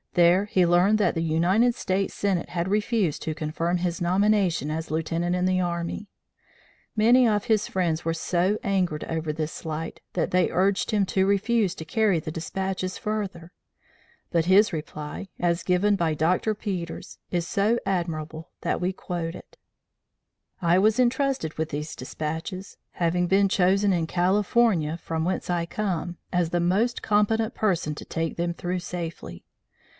There he learned that the United States Senate had refused to confirm his nomination as lieutenant in the army. Many of his friends were so angered over this slight that they urged him to refuse to carry the despatches further; but his reply, as given by Dr. Peters, is so admirable that we quote it: "I was entrusted with these despatches, having been chosen in California, from whence I come, as the most competent person to take them through safely.